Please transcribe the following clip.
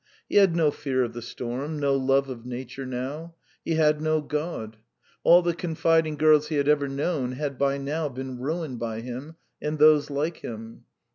He had no fear of the storm, no love of nature now; he had no God. All the confiding girls he had ever known had by now been ruined by him and those like him.